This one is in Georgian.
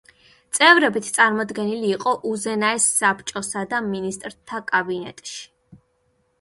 წევრებით წარმოდგენილი იყო უზენაეს საბჭოსა და მინისტრთა კაბინეტში.